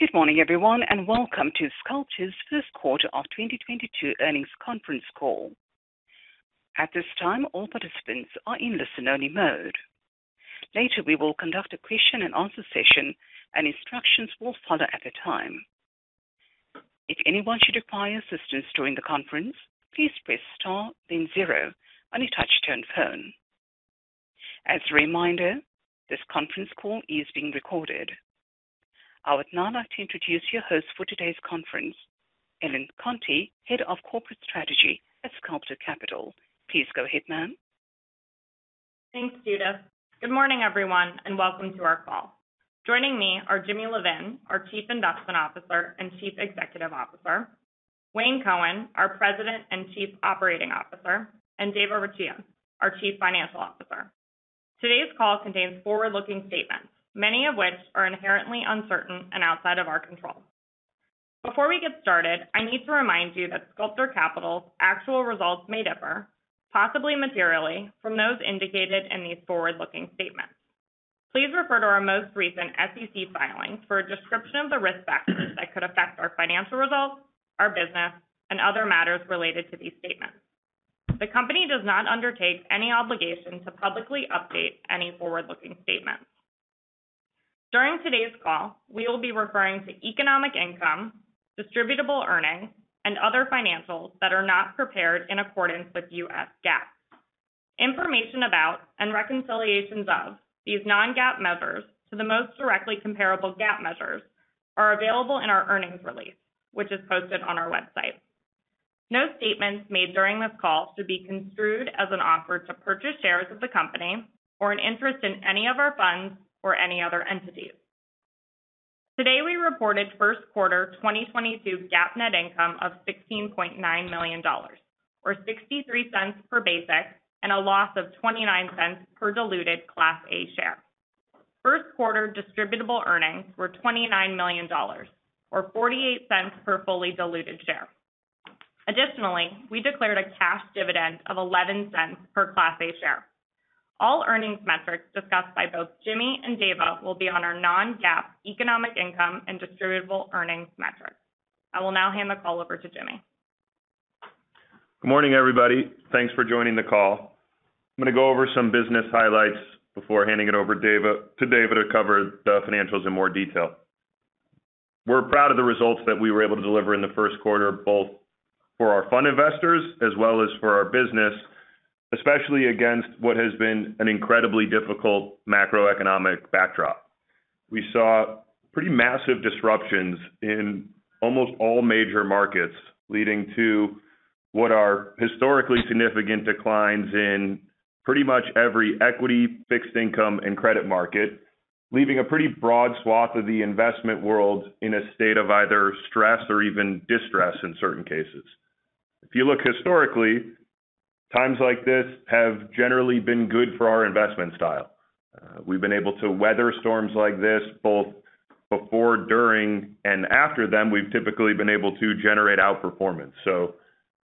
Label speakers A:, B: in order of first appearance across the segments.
A: Good morning, everyone, and welcome to Sculptor's first quarter of 2022 earnings conference call. At this time, all participants are in listen-only mode. Later, we will conduct a question and answer session, and instructions will follow at the time. If anyone should require assistance during the conference, please press star then zero on your touch-tone phone. As a reminder, this conference call is being recorded. I would now like to introduce your host for today's conference, Ellen Conti, Head of Corporate Strategy at Sculptor Capital. Please go ahead, ma'am.
B: Thanks, Jada. Good morning, everyone, and welcome to our call. Joining me are Jimmy Levin, our Chief Investment Officer and Chief Executive Officer, Wayne Cohen, our President and Chief Operating Officer, and Dava Ritchea, our Chief Financial Officer. Today's call contains forward-looking statements, many of which are inherently uncertain and outside of our control. Before we get started, I need to remind you that Sculptor Capital's actual results may differ, possibly materially, from those indicated in these forward-looking statements. Please refer to our most recent SEC filings for a description of the risk factors that could affect our financial results, our business, and other matters related to these statements. The company does not undertake any obligation to publicly update any forward-looking statements. During today's call, we will be referring to Economic Income, Distributable Earnings, and other financials that are not prepared in accordance with US GAAP. Information about and reconciliations of these non-GAAP measures to the most directly comparable GAAP measures are available in our earnings release, which is posted on our website. No statements made during this call should be construed as an offer to purchase shares of the company or an interest in any of our funds or any other entities. Today, we reported first quarter 2022 GAAP net income of $16.9 million, or $0.63 per basic, and a loss of $0.29 per diluted Class A share. First quarter distributable earnings were $29 million or $0.48 per fully diluted share. Additionally, we declared a cash dividend of $0.11 per Class A share. All earnings metrics discussed by both Jimmy and Dava will be on our non-GAAP economic income and distributable earnings metrics. I will now hand the call over to Jimmy.
C: Good morning, everybody. Thanks for joining the call. I'm gonna go over some business highlights before handing it over to Dava to cover the financials in more detail. We're proud of the results that we were able to deliver in the first quarter, both for our fund investors as well as for our business, especially against what has been an incredibly difficult macroeconomic backdrop. We saw pretty massive disruptions in almost all major markets, leading to what are historically significant declines in pretty much every equity, fixed income, and credit market, leaving a pretty broad swath of the investment world in a state of either stress or even distress in certain cases. If you look historically, times like this have generally been good for our investment style. We've been able to weather storms like this both before, during, and after them. We've typically been able to generate outperformance.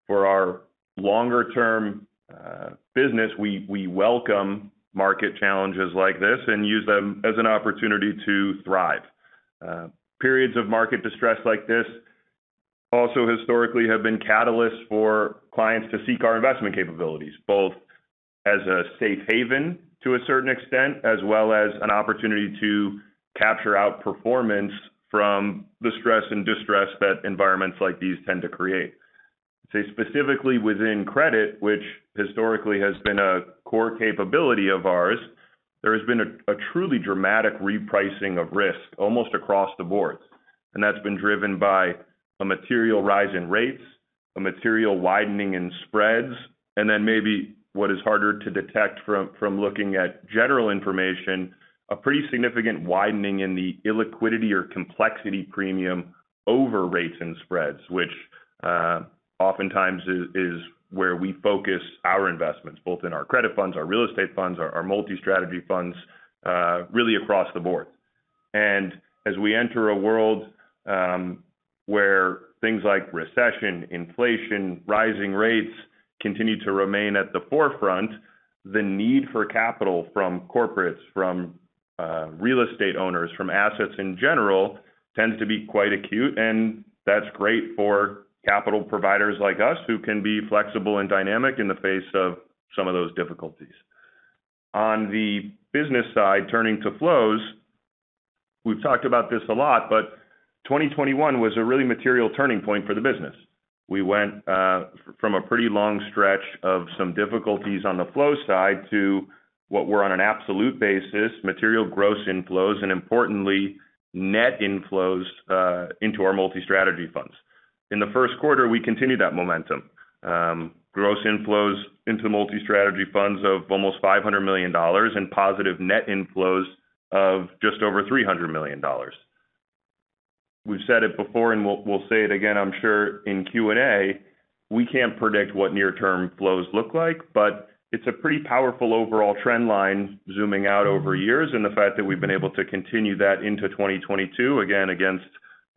C: For our longer-term business, we welcome market challenges like this and use them as an opportunity to thrive. Periods of market distress like this also historically have been catalysts for clients to seek our investment capabilities, both as a safe haven to a certain extent, as well as an opportunity to capture outperformance from the stress and distress that environments like these tend to create. Specifically within credit, which historically has been a core capability of ours, there has been a truly dramatic repricing of risk almost across the board. That's been driven by a material rise in rates, a material widening in spreads, and then maybe what is harder to detect from looking at general information, a pretty significant widening in the illiquidity or complexity premium over rates and spreads, which oftentimes is where we focus our investments, both in our credit funds, our real estate funds, our multi-strategy funds, really across the board. As we enter a world where things like recession, inflation, rising rates continue to remain at the forefront, the need for capital from corporates, from real estate owners, from assets in general, tends to be quite acute, and that's great for capital providers like us who can be flexible and dynamic in the face of some of those difficulties. On the business side, turning to flows, we've talked about this a lot, but 2021 was a really material turning point for the business. We went from a pretty long stretch of some difficulties on the flow side to what were on an absolute basis, material gross inflows and importantly, net inflows into our multi-strategy funds. In the first quarter, we continued that momentum. Gross inflows into multi-strategy funds of almost $500 million and positive net inflows of just over $300 million. We've said it before and we'll say it again, I'm sure in Q&A, we can't predict what near-term flows look like, but it's a pretty powerful overall trend line zooming out over years. The fact that we've been able to continue that into 2022, again, against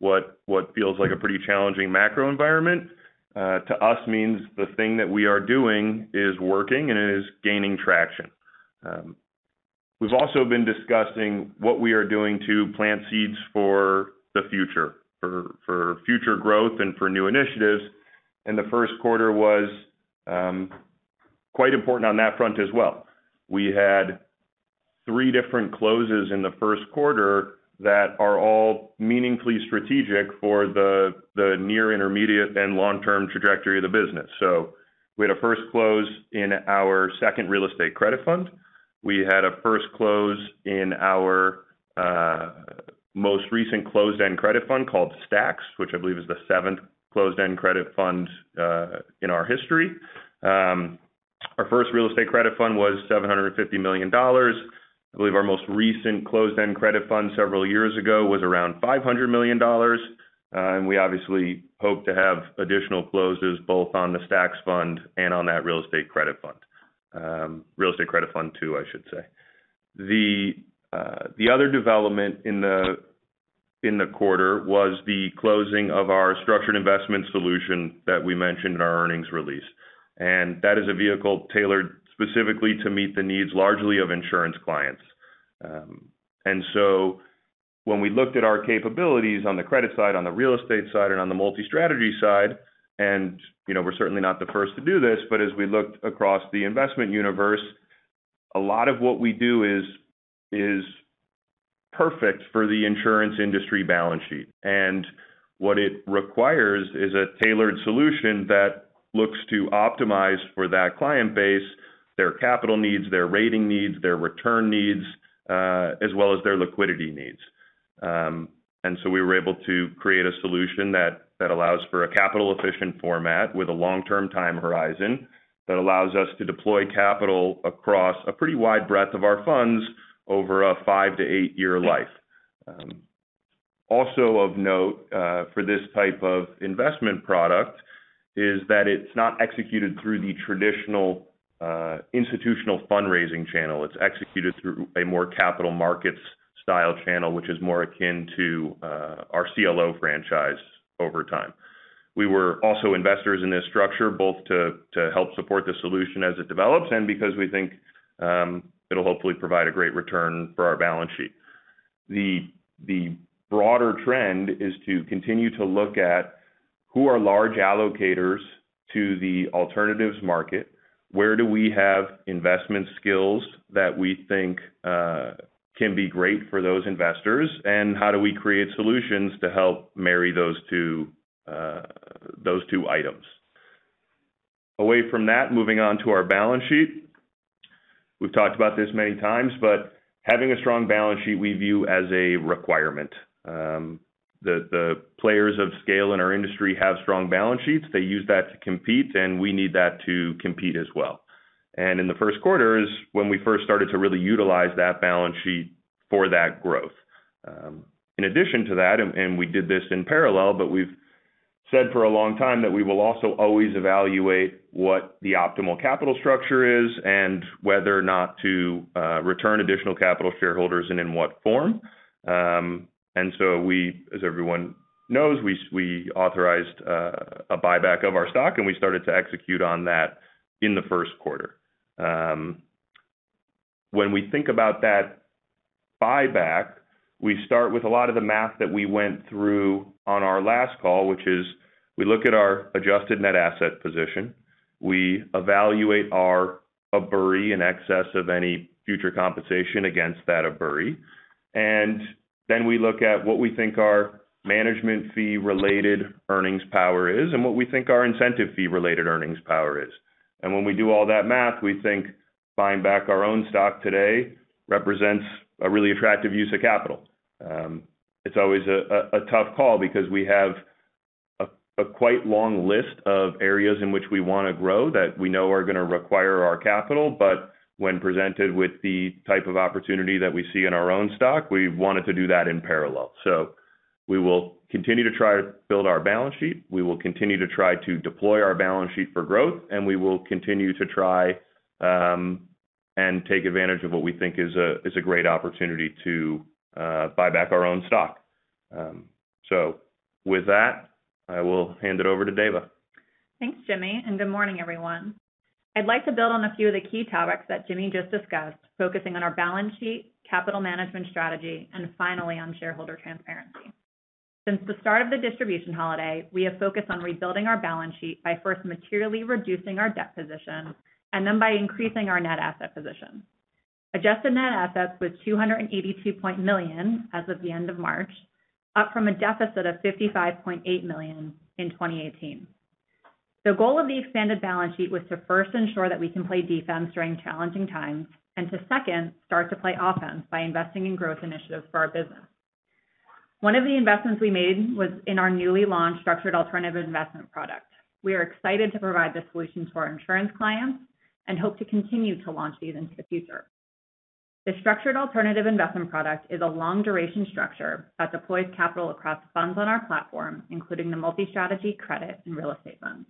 C: what feels like a pretty challenging macro environment, to us means the thing that we are doing is working, and it is gaining traction. We've also been discussing what we are doing to plant seeds for the future. For future growth and for new initiatives. The first quarter was quite important on that front as well. We had three different closes in the first quarter that are all meaningfully strategic for the near intermediate and long-term trajectory of the business. We had a first close in our second real estate credit fund. We had a first close in our most recent closed-end credit fund called STAX, which I believe is the seventh closed-end credit fund in our history. Our first real estate credit fund was $750 million. I believe our most recent closed-end credit fund several years ago was around $500 million. We obviously hope to have additional closes both on the STAX fund and on that real estate credit fund. Real estate credit fund two, I should say. The other development in the quarter was the closing of our structured investment solution that we mentioned in our earnings release. That is a vehicle tailored specifically to meet the needs largely of insurance clients. When we looked at our capabilities on the credit side, on the real estate side, and on the multi-strategy side, and, you know, we're certainly not the first to do this, but as we looked across the investment universe, a lot of what we do is perfect for the insurance industry balance sheet. What it requires is a tailored solution that looks to optimize for that client base, their capital needs, their rating needs, their return needs, as well as their liquidity needs. We were able to create a solution that allows for a capital-efficient format with a long-term time horizon, that allows us to deploy capital across a pretty wide breadth of our funds over a 5-8-year life. Also of note, for this type of investment product is that it's not executed through the traditional, institutional fundraising channel. It's executed through a more capital markets style channel, which is more akin to, our CLO franchise over time. We were also investors in this structure, both to help support the solution as it develops and because we think, it'll hopefully provide a great return for our balance sheet. The broader trend is to continue to look at who are large allocators to the alternatives market. Where do we have investment skills that we think, can be great for those investors, and how do we create solutions to help marry those two items? Away from that, moving on to our balance sheet. We've talked about this many times, but having a strong balance sheet we view as a requirement. The players of scale in our industry have strong balance sheets. They use that to compete, and we need that to compete as well. In the first quarter is when we first started to really utilize that balance sheet for that growth. In addition to that, we did this in parallel, but we've said for a long time that we will also always evaluate what the optimal capital structure is and whether or not to return additional capital to shareholders and in what form. As everyone knows, we authorized a buyback of our stock, and we started to execute on that in the first quarter. When we think about that buyback, we start with a lot of the math that we went through on our last call, which is we look at our adjusted net asset position, we evaluate our [Atterbury] in excess of any future compensation against that [Atterbury]. Then we look at what we think our management fee-related earnings power is and what we think our incentive fee-related earnings power is. When we do all that math, we think buying back our own stock today represents a really attractive use of capital. It's always a tough call because we have a quite long list of areas in which we wanna grow that we know are gonna require our capital. When presented with the type of opportunity that we see in our own stock, we wanted to do that in parallel. We will continue to try to build our balance sheet. We will continue to try to deploy our balance sheet for growth, and we will continue to try and take advantage of what we think is a great opportunity to buy back our own stock. With that, I will hand it over to Dava.
D: Thanks, Jimmy, and good morning, everyone. I'd like to build on a few of the key topics that Jimmy just discussed, focusing on our balance sheet, capital management strategy, and finally on shareholder transparency. Since the start of the distribution holiday, we have focused on rebuilding our balance sheet by first materially reducing our debt position and then by increasing our net asset position. Adjusted net assets was $282 million as of the end of March, up from a deficit of $55.8 million in 2018. The goal of the expanded balance sheet was to first ensure that we can play defense during challenging times and to, second, start to play offense by investing in growth initiatives for our business. One of the investments we made was in our newly launched structured alternative investment product. We are excited to provide this solution to our insurance clients and hope to continue to launch these into the future. The structured alternative investment product is a long-duration structure that deploys capital across funds on our platform, including the multi-strategy credit and real estate funds.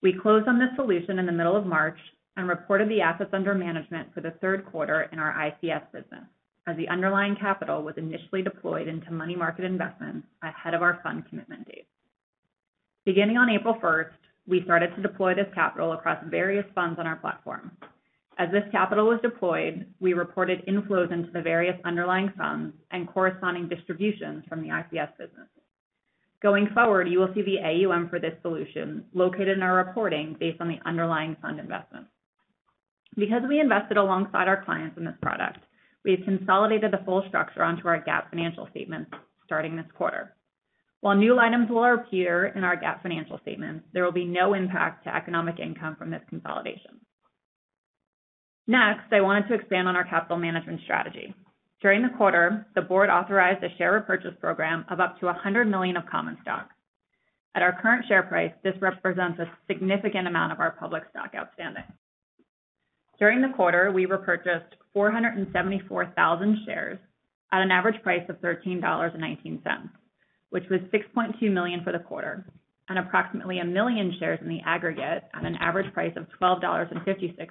D: We closed on this solution in the middle of March and reported the assets under management for the third quarter in our ICS business, as the underlying capital was initially deployed into money market investments ahead of our fund commitment date. Beginning on April first, we started to deploy this capital across various funds on our platform. As this capital was deployed, we reported inflows into the various underlying funds and corresponding distributions from the ICS business. Going forward, you will see the AUM for this solution located in our reporting based on the underlying fund investments. Because we invested alongside our clients in this product, we have consolidated the full structure onto our GAAP financial statements starting this quarter. While new items will appear in our GAAP financial statements, there will be no impact to Economic Income from this consolidation. Next, I wanted to expand on our capital management strategy. During the quarter, the board authorized a share repurchase program of up to $100 million of common stock. At our current share price, this represents a significant amount of our public stock outstanding. During the quarter, we repurchased 474,000 shares at an average price of $13.19, which was $6.2 million for the quarter, and approximately 1 million shares in the aggregate at an average price of $12.56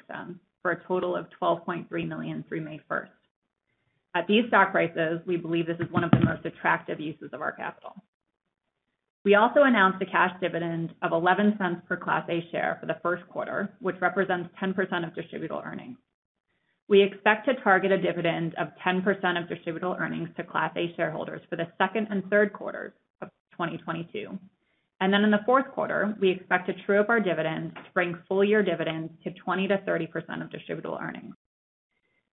D: for a total of $12.3 million through May first. At these stock prices, we believe this is one of the most attractive uses of our capital. We also announced a cash dividend of $0.11 per Class A share for the first quarter, which represents 10% of Distributable Earnings. We expect to target a dividend of 10% of Distributable Earnings to Class A shareholders for the second and third quarters of 2022. In the fourth quarter, we expect to true up our dividends to bring full year dividends to 20%-30% of Distributable Earnings.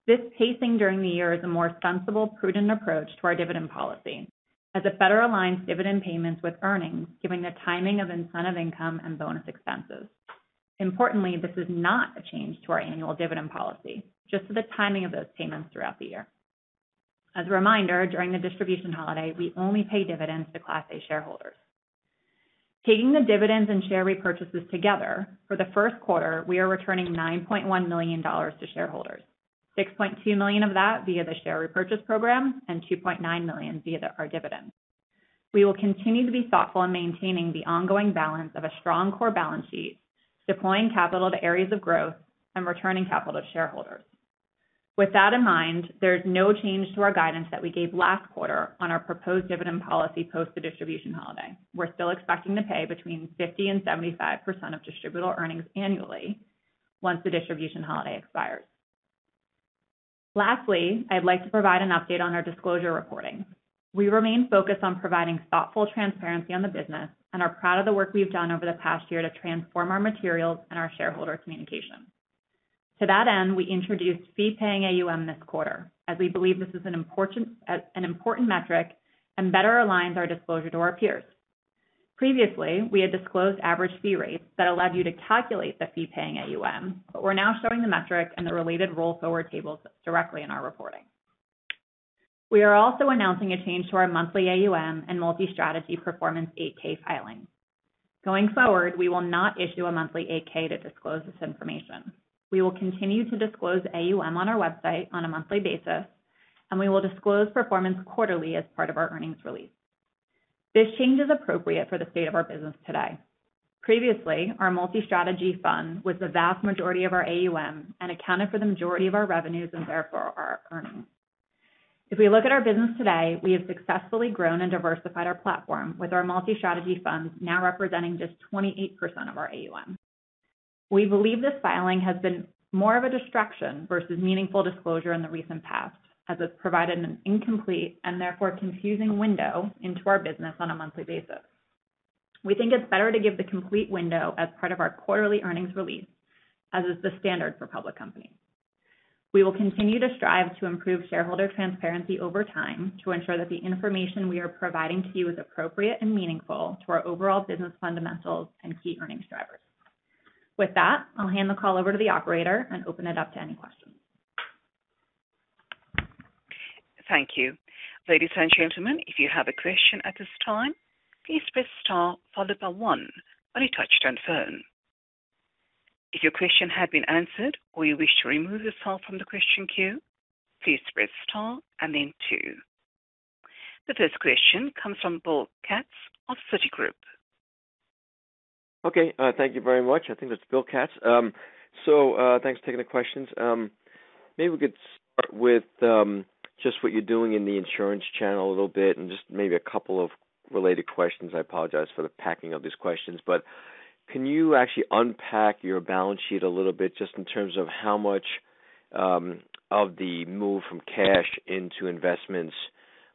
D: This pacing during the year is a more sensible, prudent approach to our dividend policy as it better aligns dividend payments with earnings, given the timing of incentive income and bonus expenses. Importantly, this is not a change to our annual dividend policy, just to the timing of those payments throughout the year. As a reminder, during the distribution holiday, we only pay dividends to Class A shareholders. Taking the dividends and share repurchases together, for the first quarter, we are returning $9.1 million to shareholders. $6.2 million of that via the share repurchase program, and $2.9 million via our dividend. We will continue to be thoughtful in maintaining the ongoing balance of a strong core balance sheet, deploying capital to areas of growth, and returning capital to shareholders. With that in mind, there's no change to our guidance that we gave last quarter on our proposed dividend policy post the distribution holiday. We're still expecting to pay between 50% and 75% of Distributable Earnings annually once the distribution holiday expires. Lastly, I'd like to provide an update on our disclosure reporting. We remain focused on providing thoughtful transparency on the business and are proud of the work we've done over the past year to transform our materials and our shareholder communication. To that end, we introduced Fee-paying AUM this quarter as we believe this is an important metric and better aligns our disclosure to our peers. Previously, we had disclosed average fee rates that allowed you to calculate the Fee-paying AUM, but we're now showing the metric and the related roll forward tables directly in our reporting. We are also announcing a change to our monthly AUM and multi-strategy performance 8-K filing. Going forward, we will not issue a monthly 8-K to disclose this information. We will continue to disclose AUM on our website on a monthly basis, and we will disclose performance quarterly as part of our earnings release. This change is appropriate for the state of our business today. Previously, our multi-strategy fund was the vast majority of our AUM and accounted for the majority of our revenues, and therefore our earnings. If we look at our business today, we have successfully grown and diversified our platform, with our multi-strategy funds now representing just 28% of our AUM. We believe this filing has been more of a distraction versus meaningful disclosure in the recent past, as it's provided an incomplete and therefore confusing window into our business on a monthly basis. We think it's better to give the complete window as part of our quarterly earnings release, as is the standard for public companies. We will continue to strive to improve shareholder transparency over time to ensure that the information we are providing to you is appropriate and meaningful to our overall business fundamentals and key earnings drivers. With that, I'll hand the call over to the operator and open it up to any questions.
A: Thank you. Ladies and gentlemen, if you have a question at this time, please press star followed by one on your touchtone phone. If your question has been answered or you wish to remove yourself from the question queue, please press star and then two. The first question comes from Bill Katz of Citigroup.
E: Okay, thank you very much. I think that's Bill Katz. So, thanks for taking the questions. Maybe we could start with just what you're doing in the insurance channel a little bit and just maybe a couple of related questions. I apologize for the packing of these questions, but can you actually unpack your balance sheet a little bit just in terms of how much of the move from cash into investments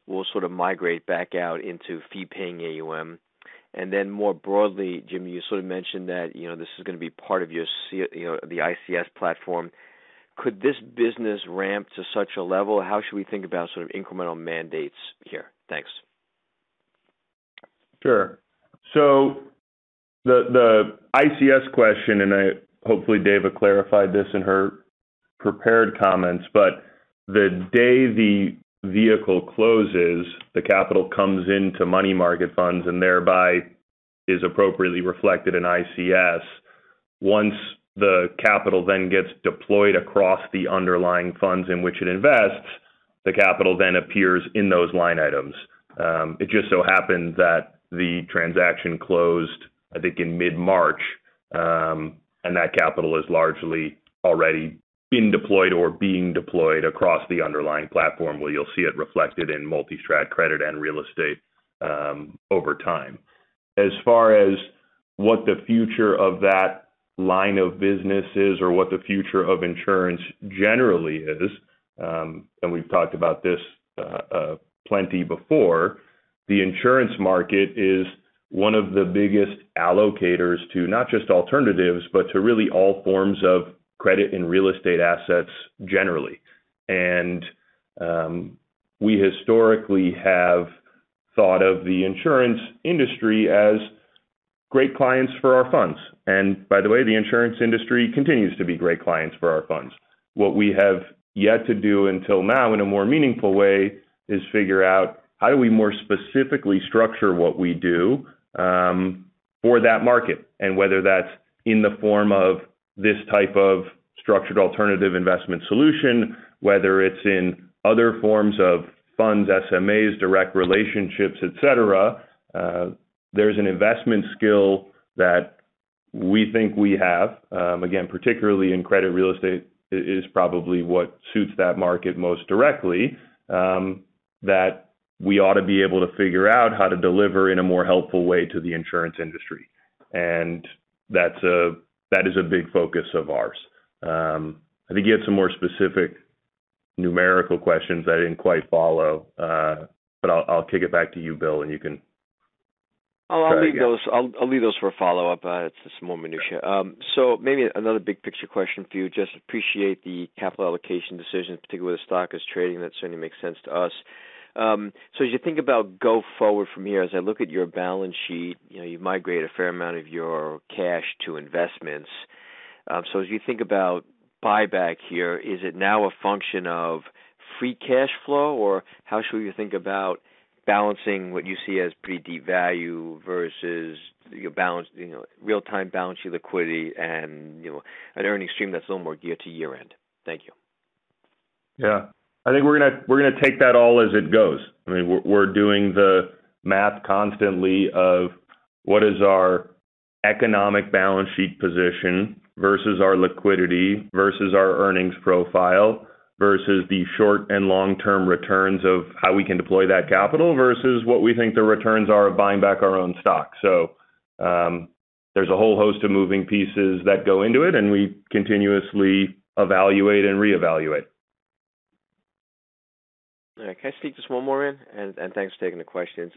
E: will sort of migrate back out into Fee-paying AUM? And then more broadly, Jim, you sort of mentioned that, you know, this is gonna be part of your, you know, the ICS platform. Could this business ramp to such a level? How should we think about sort of incremental mandates here? Thanks.
C: Sure. The ICS question, hopefully Dava clarified this in her prepared comments, but the day the vehicle closes, the capital comes into money market funds and thereby is appropriately reflected in ICS. Once the capital then gets deployed across the underlying funds in which it invests, the capital then appears in those line items. It just so happened that the transaction closed, I think, in mid-March, and that capital is largely already Been deployed or being deployed across the underlying platform where you'll see it reflected in multi-strat credit and real estate, over time. As far as what the future of that line of business is or what the future of insurance generally is, and we've talked about this, plenty before. The insurance market is one of the biggest allocators to not just alternatives, but to really all forms of credit and real estate assets generally. We historically have thought of the insurance industry as great clients for our funds. By the way, the insurance industry continues to be great clients for our funds. What we have yet to do until now in a more meaningful way is figure out how do we more specifically structure what we do, for that market, and whether that's in the form of this type of structured alternative investment solution, whether it's in other forms of funds, SMAs, direct relationships, et cetera. There's an investment skill that we think we have, again, particularly in credit real estate is probably what suits that market most directly, that we ought to be able to figure out how to deliver in a more helpful way to the insurance industry. That is a big focus of ours. I think you had some more specific numerical questions I didn't quite follow, but I'll kick it back to you, Bill, and you can try again.
E: Oh, I'll leave those for a follow-up. It's just more minutiae. Maybe another big picture question for you. Just appreciate the capital allocation decision, particularly the stock is trading. That certainly makes sense to us. As you think about go forward from here, as I look at your balance sheet, you know, you migrate a fair amount of your cash to investments. As you think about buyback here, is it now a function of free cash flow? Or how should we think about balancing what you see as pretty deep value versus your balance, you know, real-time balance sheet liquidity and, you know, an earning stream that's a little more geared to year-end? Thank you.
C: Yeah. I think we're gonna take that all as it goes. I mean, we're doing the math constantly of what is our economic balance sheet position versus our liquidity, versus our earnings profile, versus the short and long-term returns of how we can deploy that capital, versus what we think the returns are of buying back our own stock. There's a whole host of moving pieces that go into it, and we continuously evaluate and reevaluate.
E: All right. Can I sneak just one more in? Thanks for taking the questions.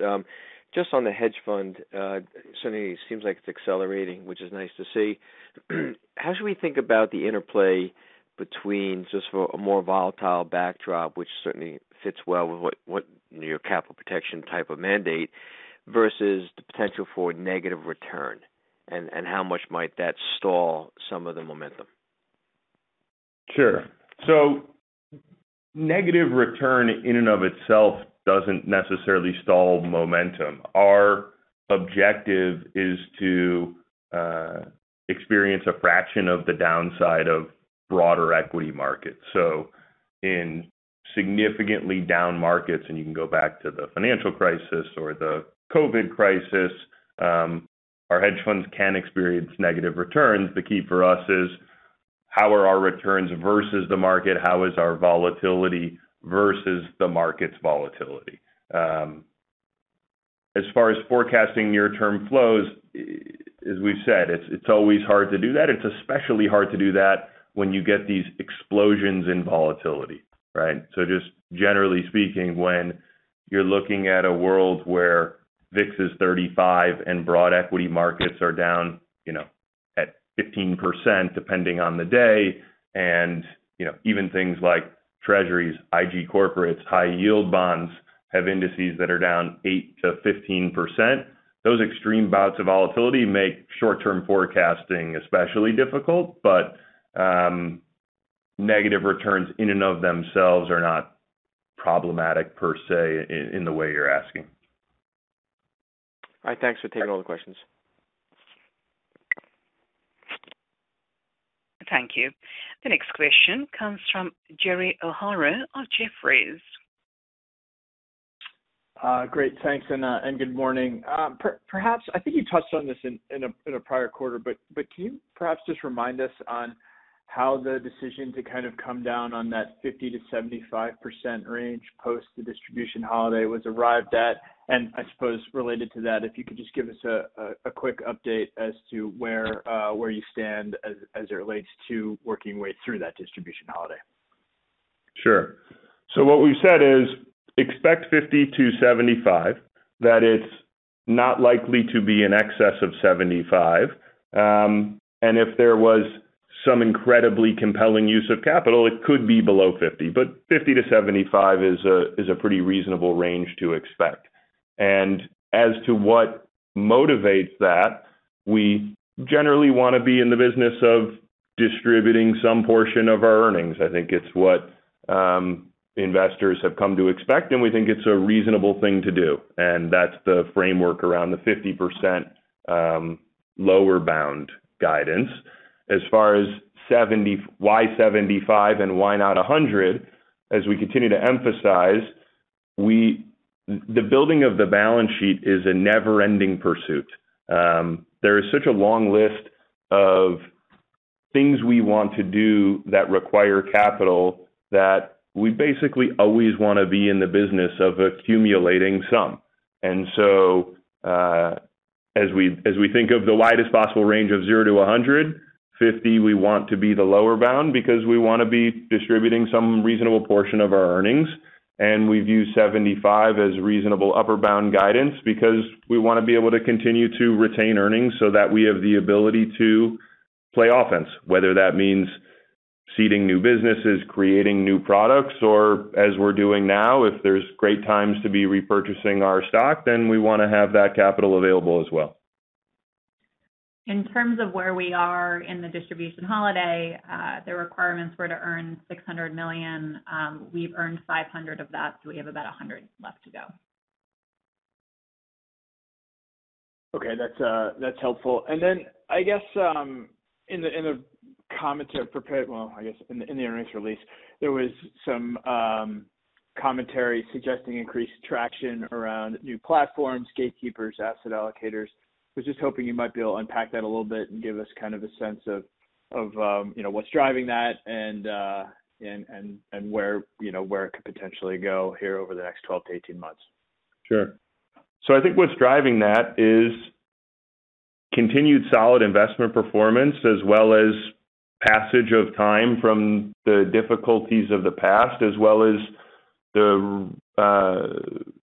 E: Just on the hedge fund, certainly seems like it's accelerating, which is nice to see. How should we think about the interplay between just for a more volatile backdrop, which certainly fits well with what your capital protection type of mandate versus the potential for negative return, and how much might that stall some of the momentum?
C: Sure. Negative return in and of itself doesn't necessarily stall momentum. Our objective is to experience a fraction of the downside of broader equity markets. In significantly down markets, and you can go back to the financial crisis or the COVID crisis, our hedge funds can experience negative returns. The key for us is how are our returns versus the market? How is our volatility versus the market's volatility? As far as forecasting near-term flows, as we've said, it's always hard to do that. It's especially hard to do that when you get these explosions in volatility, right? Just generally speaking, when you're looking at a world where VIX is 35 and broad equity markets are down, you know, at 15%, depending on the day, and you know, even things like treasuries, IG corporates, high yield bonds, have indices that are down 8%-15%. Those extreme bouts of volatility make short-term forecasting especially difficult, but negative returns in and of themselves are not problematic per se in the way you're asking.
E: All right. Thanks for taking all the questions.
A: Thank you. The next question comes from Gerry O'Hara of Jefferies.
F: Great. Thanks, and good morning. Perhaps I think you touched on this in a prior quarter, but can you perhaps just remind us on how the decision to kind of come down to that 50%-75% range post the distribution holiday was arrived at? I suppose related to that, if you could just give us a quick update as to where you stand as it relates to working your way through that distribution holiday.
C: What we've said is expect 50%-75%, that it's not likely to be in excess of 75%. If there was some incredibly compelling use of capital, it could be below 50%. 50%-75% is a pretty reasonable range to expect. As to what motivates that, we generally wanna be in the business of distributing some portion of our earnings. I think it's what investors have come to expect, and we think it's a reasonable thing to do. That's the framework around the 50% lower bound guidance. As far as 75%, why 75%, and why not 100%? As we continue to emphasize, the building of the balance sheet is a never-ending pursuit. There is such a long list of things we want to do that require capital that we basically always wanna be in the business of accumulating some. As we think of the widest possible range of 0%-150% we want to be the lower bound because we wanna be distributing some reasonable portion of our earnings. We view 75% as reasonable upper bound guidance because we wanna be able to continue to retain earnings so that we have the ability to play offense, whether that means seeding new businesses, creating new products, or as we're doing now, if there's great times to be repurchasing our stock, then we wanna have that capital available as well.
D: In terms of where we are in the distribution holiday, the requirements were to earn $600 million. We've earned $500 million of that, so we have about $100 million left to go.
F: Okay, that's helpful. Well, I guess in the earnings release, there was some commentary suggesting increased traction around new platforms, gatekeepers, asset allocators. I was just hoping you might be able to unpack that a little bit and give us kind of a sense of you know, what's driving that and where you know, where it could potentially go here over the next 12-18 months.
C: Sure. I think what's driving that is continued solid investment performance, as well as passage of time from the difficulties of the past, as well as the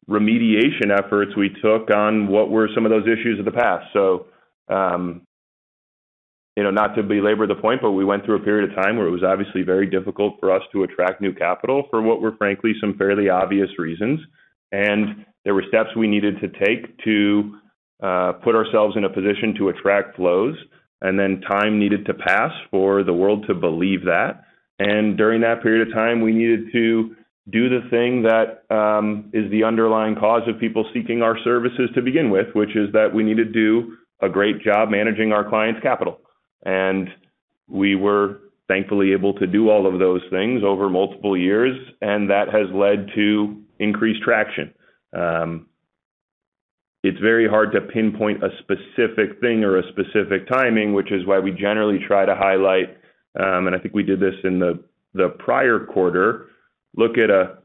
C: remediation efforts we took on what were some of those issues of the past. You know, not to belabor the point, but we went through a period of time where it was obviously very difficult for us to attract new capital for what were, frankly, some fairly obvious reasons. There were steps we needed to take to put ourselves in a position to attract flows, and then time needed to pass for the world to believe that. During that period of time, we needed to do the thing that is the underlying cause of people seeking our services to begin with, which is that we need to do a great job managing our clients' capital. We were thankfully able to do all of those things over multiple years, and that has led to increased traction. It's very hard to pinpoint a specific thing or a specific timing, which is why we generally try to highlight, and I think we did this in the prior quarter. Look at a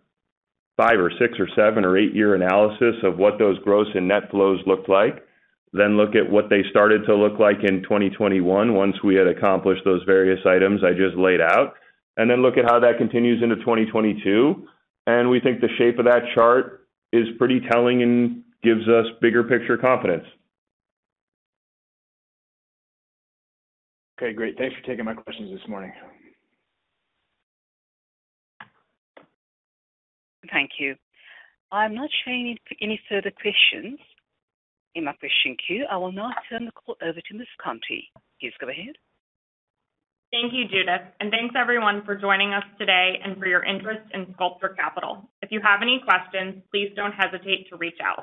C: 5- or 6- or 7- or 8-year analysis of what those gross and net flows looked like. Then look at what they started to look like in 2021 once we had accomplished those various items I just laid out. Then look at how that continues into 2022. We think the shape of that chart is pretty telling and gives us bigger picture confidence.
F: Okay, great. Thanks for taking my questions this morning.
A: Thank you. I'm not showing any further questions in my question queue. I will now turn the call over to Ms. Conti. Please go ahead.
B: Thank you, Judith, and thanks everyone for joining us today and for your interest in Sculptor Capital. If you have any questions, please don't hesitate to reach out.